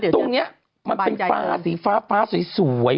ตรงเนี้ยมันเป็นฟ้าสีฟ้าฟ้าสวยสวย